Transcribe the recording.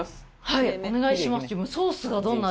はいお願いしますでも。